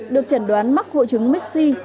được chẩn đoán mắc hội chứng mixi